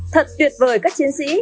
thật tuyệt vời các chiến sĩ